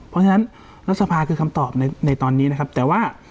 เพราะฉะนั้นรัฐสภาคือคำตอบในตอนนี้นะครับแต่ว่า